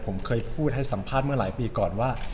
ผมเคยพูดให้สัมภาษณ์เมื่อหลายปีก่อนว่า